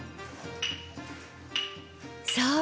そう！